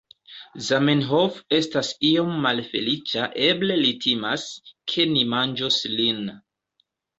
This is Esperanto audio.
Zamenhof estas iom malfeliĉa eble li timas, ke ni manĝos lin